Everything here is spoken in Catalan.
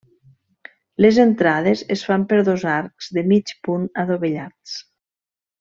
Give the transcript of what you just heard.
Les entrades es fan per dos arcs de mig punt adovellats.